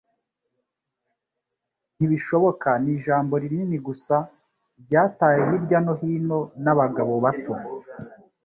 Ntibishoboka nijambo rinini gusa ryataye hirya no hino nabagabo bato